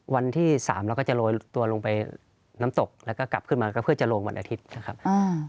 วันที่สามเราก็จะโรยตัวลงไปน้ำตกแล้วก็กลับขึ้นมาก็เพื่อจะลงวันอาทิตย์นะครับ